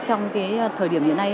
trong cái thời điểm hiện nay